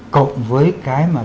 cộng với cái mà